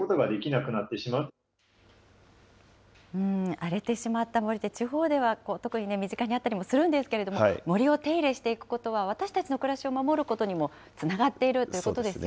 荒れてしまった森って、地方では特にね、身近にあったりもするんですけれども、森を手入れしていくことは、私たちの暮らしを守ることにもつながっているということですよね。